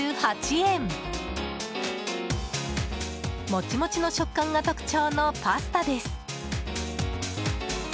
モチモチの食感が特徴のパスタです。